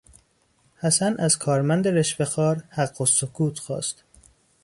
حسن از کارمند رشوهخوار حق السکوت خواست.